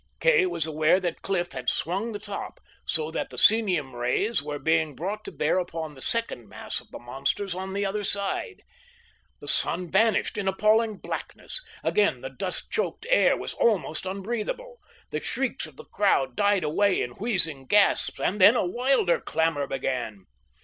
Kay was aware that Cliff had swung the top, so that the psenium rays were being brought to bear upon the second mass of the monsters on the other side. The sun vanished in appalling blackness. Again the dust choked air was almost unbreathable. The shrieks of the crowd died away in wheezing gasps; and then a wilder clamor began.